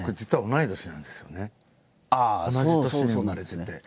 同じ年に生まれてて。